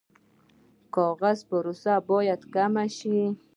کاغذي پروسې باید کمې شي